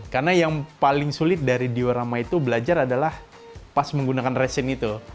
karena yang paling sulit dari diorama itu belajar adalah pas menggunakan resin itu